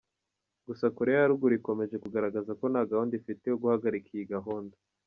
Gusa Koreya ya ruguru ikomeje kugaragaza ko nta gahunda ifite yo guhagarika iyi gahunda.